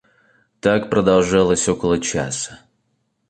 Так продолжалось около часа.